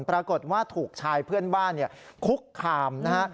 ปรากฏว่าถูกชายเพื่อนบ้านคุกคามนะฮะ